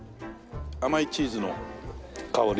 甘いチーズの香り。